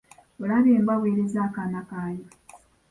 Olabye embwa bw'ereze akaana kayo?